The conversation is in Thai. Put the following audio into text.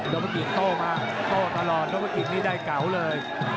โนโปรกิตโตมาโตตลอดโนโปรกิตนี่ได้เก๋าเลย